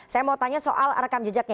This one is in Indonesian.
saya mau tanya soal rekam jejaknya